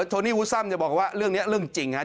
โนี่วูซัมบอกว่าเรื่องนี้เรื่องจริงครับ